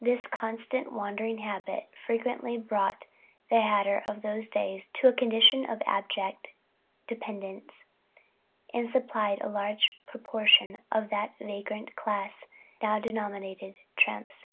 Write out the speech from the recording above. This constant wandering habit frequently brought the hatter of those days to a condition of abject dependence, and supplied a large proportion of that vagrant class now denominated "tramps."